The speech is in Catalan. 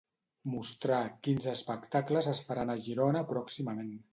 Mostrar quins espectacles es faran a Girona pròximament.